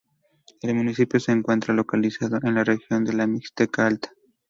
El municipio se encuentra localizado en la región de la Mixteca Alta.